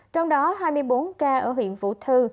trong đó hai mươi bốn ca ở huyện vũ thư